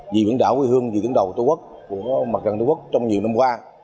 vì biển đảo quê hương vì biển đầu tổ quốc của mặt trận tổ quốc trong nhiều năm qua